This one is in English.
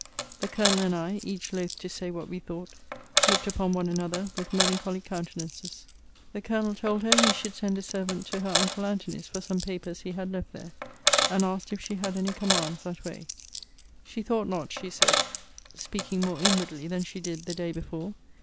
The Colonel and I, each loth to say what we thought, looked upon one another with melancholy countenances. The Colonel told her he should send a servant to her uncle Antony's for some papers he had left there; and asked if she had any commands that way. She thought not, she said, speaking more inwardly than she did the day before.